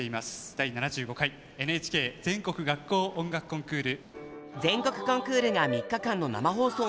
第７５回ＮＨＫ全国学校音楽コンクール。